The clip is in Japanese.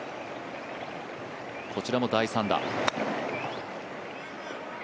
こちらも第３打。